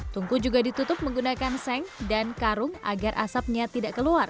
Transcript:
tungku juga ditutup menggunakan seng dan karung agar asapnya tidak keluar